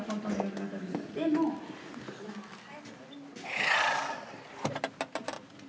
いや。